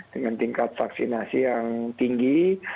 dengan tingkat vaksinasi yang tinggi